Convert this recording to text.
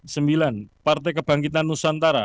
sembilan partai kebangkitan nusantara